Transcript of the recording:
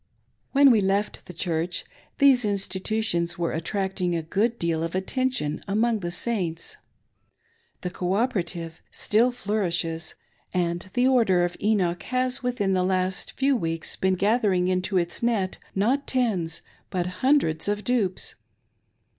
When we left the Church, these institutions were attracting a good deal of attention among the Saints. The " Coopera tive" still flourishes, and the "Order of Enoch" has within the last few weeks been gathering into its net, not tens, but hundreds of dupes.